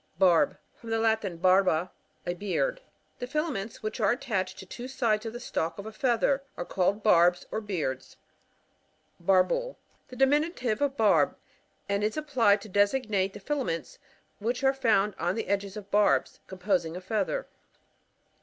Barb. — From the Latin, barba^ a heard. The filaments which are attached to two bides of the stalk of a feather, are called barbs or beards. Barbule. — The diminutive of barb, and is applied to designate the filaments which are found on the edges of the barbs, composing a feather.